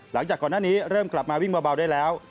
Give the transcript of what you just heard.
หลังจากก่อนหน้านี้เริ่มกลับมาวิ่งเบาได้แล้ว